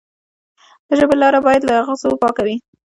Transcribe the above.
د ژبې لاره باید له اغزو پاکه وي.